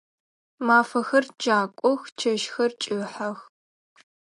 Мафэхэр кӏакох, чэщхэр кӏыхьэх.